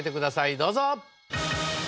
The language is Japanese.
どうぞ！